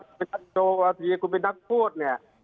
คุณเป็นนักโจวัฒีคุณเป็นนักพูดเนี่ย